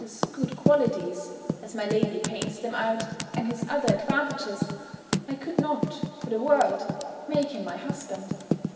's good qualities, as my lady paints them out, and his other advantages, I could not, for the world, make him my husband.